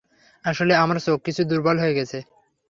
আসলে, আমার চোখ কিছু দূর্বল হয়ে গেছে।